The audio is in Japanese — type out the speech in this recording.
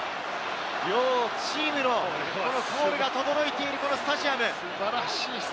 両チームのコールが届いているスタジアム。